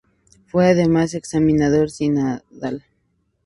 Fue además examinador sinodal.